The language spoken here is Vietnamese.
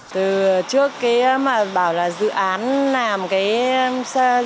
từ trước cái mà bảo là dự án làm cái